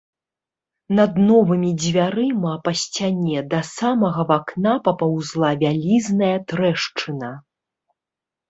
Над новымі дзвярыма па сцяне да самага вакна папаўзла вялізная трэшчына.